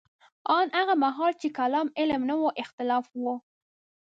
ان هغه مهال چې د کلام علم نه و اختلاف وو.